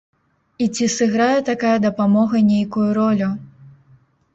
І ці сыграе такая дапамога нейкую ролю?